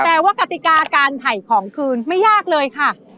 แต่ว่ากติกาการถ่ายของคืนไม่ยากเลยค่ะ